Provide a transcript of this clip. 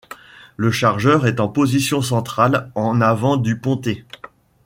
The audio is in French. Le chargeur est en position centrale en avant du pontet.